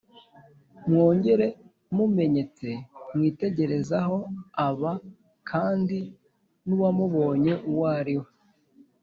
mwongere mumenyetse mwitegereze aho aba kandi n’uwamubonye uwo ari we